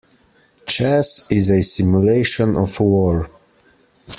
Chess is a simulation of war.